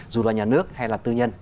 dù là nhà nước hay là tư nhân